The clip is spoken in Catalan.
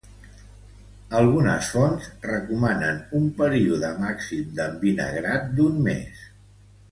Algunes fonts recomanen un període màxim d'envinagrat d'un mes.